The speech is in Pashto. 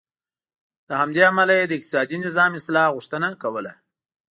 له همدې امله یې د اقتصادي نظام اصلاح غوښتنه کوله.